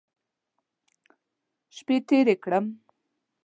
شپې تېرې کړم.